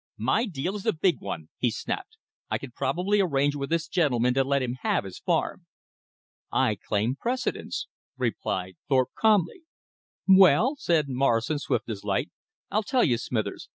"My deal is a big one," he snapped. "I can probably arrange with this gentleman to let him have his farm." "I claim precedence," replied Thorpe calmly. "Well," said Morrison swift as light, "I'll tell you, Smithers.